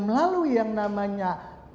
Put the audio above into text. melalui yang namanya